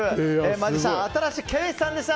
マジシャンの新子景視さんでした。